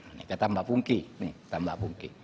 ini kata mbak pungki ini kata mbak pungki